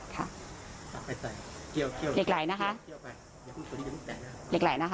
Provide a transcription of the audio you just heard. พี่